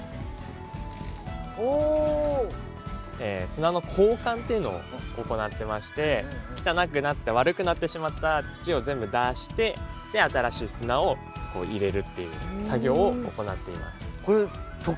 砂の交換っていうのを行ってまして汚くなった悪くなってしまった土を全部出して新しい砂を入れるっていう作業を行っています。